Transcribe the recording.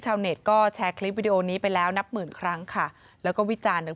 ชาวเน็ตก็แชร์คลิปวิดีโอนี้ไปแล้วนับหมื่นครั้งค่ะแล้วก็วิจารณ์อย่าง